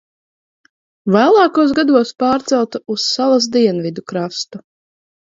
Vēlākos gados pārcelta uz salas dienvidu krastu.